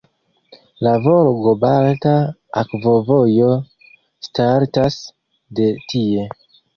La Volgo-Balta Akvovojo startas de tie.